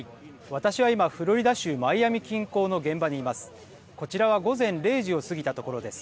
私は今、フロリダ州マイアミ近郊の現場にいます。